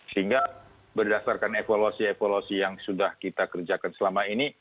sehingga berdasarkan evaluasi evaluasi yang sudah kita kerjakan selama ini